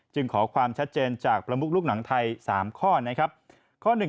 ขอความชัดเจนจากประมุกลูกหนังไทย๓ข้อนะครับ